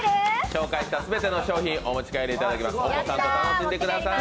紹介した全ての商品お持ち帰りいただきます。